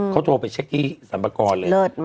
เขาโทรไปเช็คที่สรรพากรเลย